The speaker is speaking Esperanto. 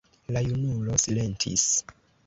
La junulo silentis.